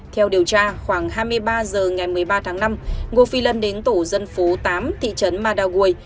theo điều tra khoảng hai mươi ba h ngày một mươi ba tháng năm ngô phi lân đến tổ dân phố tám thị trấn ma đào guồi